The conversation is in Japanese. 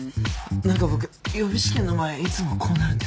なんか僕予備試験の前いつもこうなるんです。